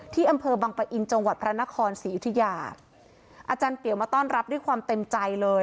อำเภอบังปะอินจังหวัดพระนครศรีอยุธยาอาจารย์เตี๋ยวมาต้อนรับด้วยความเต็มใจเลย